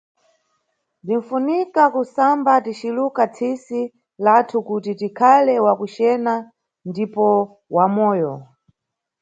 Bzinʼfunika kusamba ticiluka tsisi lathu kuti tikhale wakucena ndipo wa moyo.